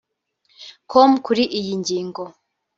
com kuri iyi ngingo